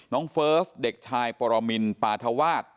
เฟิร์สเด็กชายปรมินปาธวาส